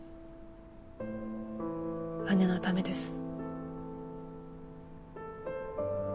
姉のためです。